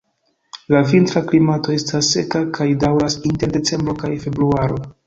La vintra klimato estas seka kaj daŭras inter decembro kaj februaro.